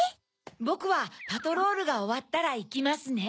ぼくはパトロールがおわったらいきますね。